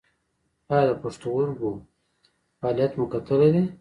ایا د پښتورګو فعالیت مو کتلی دی؟